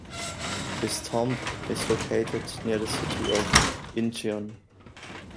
His tomb is located near the city of Incheon.